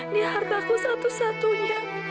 dia harga aku satu satunya